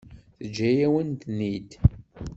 Teǧǧa-yawen-ten-id.